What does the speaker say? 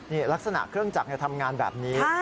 นี่ลักษณะเครื่องจักรทำงานแบบนี้